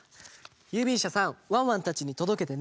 ゆうびんしゃさんワンワンたちにとどけてね。